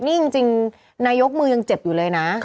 นี่จริงนายกมือยังเจ็บอยู่เลยนะ